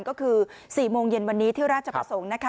ก็คือ๔โมงเย็นวันนี้ที่ราชประสงค์นะคะ